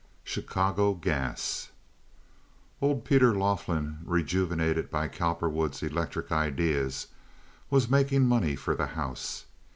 Chicago Gas Old Peter Laughlin, rejuvenated by Cowperwood's electric ideas, was making money for the house.